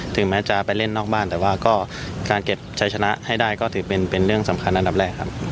ถึงแม้จะไปเล่นนอกบ้านแต่ว่าก็การเก็บใช้ชนะให้ได้ก็ถือเป็นเรื่องสำคัญอันดับแรกครับ